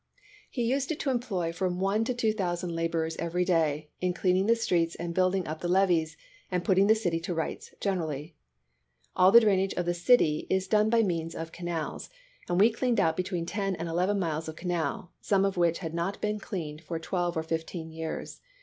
He used it to employ from one to two thousand laborers every day "in cleaning the streets and building up the levees, and putting the city to rights, generally. All the drainage of the city is done by means of canals, and we cleaned out be tween ten and eleven miles of canal, some of which had not been cleaned for twelve or fifteen years.